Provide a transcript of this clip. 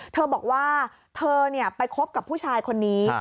เธอบอกว่าเธอไปคบกับผู้ชายคนนี้